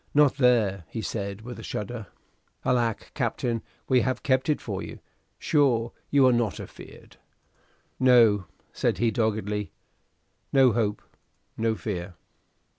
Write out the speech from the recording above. "Not there," he said, with a shudder. "Alack! Captain, we have kept it for you. Sure you are not afear'd." "No," said he, doggedly; "no hope, no fear."